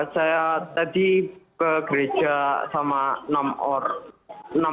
saya tadi bekerja sama enam orang